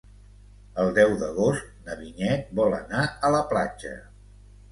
El deu d'agost na Vinyet vol anar a la platja.